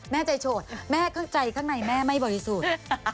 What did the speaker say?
แม่ใจโฉดแม่เข้าใจข้างในแม่ไม่บริสุทธิ์